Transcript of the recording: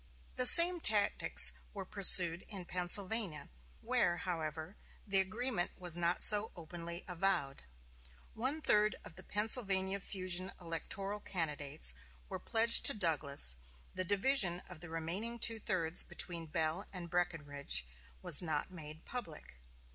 The same tactics were pursued in Pennsylvania, where, however, the agreement was not so openly avowed. One third of the Pennsylvania fusion electoral candidates were pledged to Douglas; the division of the remaining two thirds between Bell and Breckinridge was not made public.